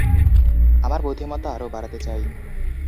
আমার বুদ্ধিমত্তা আরও বাড়াতে চাই।